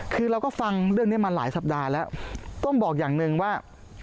คือเราก็ฟังเรื่องนี้มาหลายสัปดาห์แล้วต้องบอกอย่างหนึ่งว่า